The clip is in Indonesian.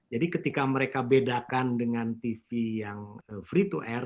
jadi ketika mereka bedakan dengan tv yang free to air